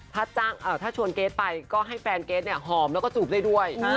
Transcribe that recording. ถ้าชวนเกรทไปก็ให้แฟนเกรทหอมแล้วก็จูบได้ด้วย